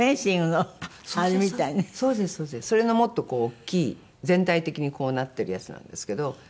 それのもっと大きい全体的にこうなってるやつなんですけど。